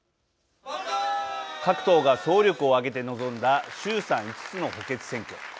各党が総力を挙げて臨んだ衆参５つの補欠選挙。